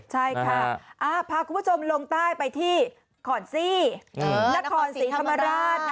ใช่ค่ะอ่าพาคุณผู้ชมลงใต้ไปที่ข่อนซี่นักข่อนสีธรรมดา